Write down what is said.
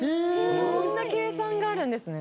そんな計算があるんですね。